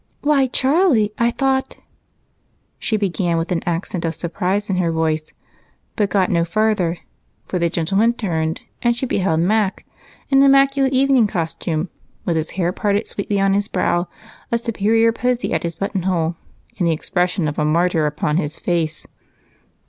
"Why, Charlie, I thought " she began with an accent of surprise in her voice, but got no further, for the gentleman turned and she beheld Mac in immaculate evening costume, with his hair parted sweetly on his brow, a superior posy at his buttonhole, and the expression of a martyr on his face.